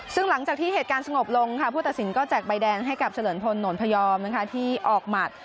ซึ่งหลังจากที่เหตุการณ์สงบลงค่ะผู้ตัดสินก็แจกใบแดงให้กับเฉลินพลหนนพยอมที่ออกหมัด